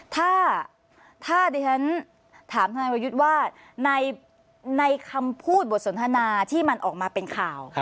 ถ้าดิฉันถามทนายวรยุทธ์ว่าในคำพูดบทสนทนาที่มันออกมาเป็นข่าว